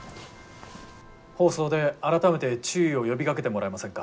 放送で改めて注意を呼びかけてもらえませんか？